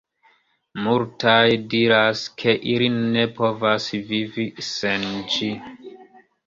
Multaj diras, ke ili ne povas vivi sen ĝi.